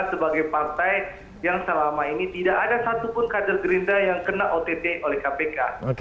sebagai partai yang selama ini tidak ada satupun kader gerindra yang kena ott oleh kpk